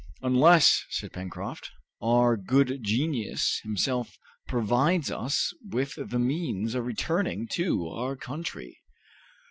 "Unless," said Pencroft, "our good genius, himself provides us with the means of returning to our country."